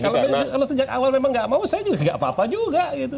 kalau sejak awal memang nggak mau saya juga nggak apa apa juga gitu